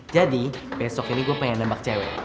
jadi besok ini gue pengen nembak cewek